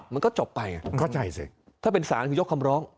มันก็จบไปถ้าเป็นสารคือยกคำร้อง